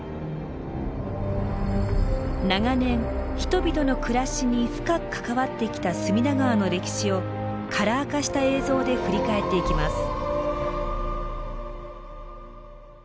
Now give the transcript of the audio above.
長年人々の暮らしに深く関わってきた隅田川の歴史をカラー化した映像で振り返っていきます。